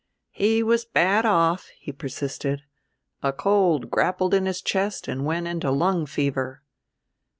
"He was bad off," he persisted; "a cold grappled in his chest and went into lung fever.